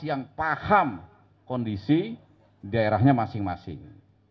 yang paham kondisi daerahnya masing masing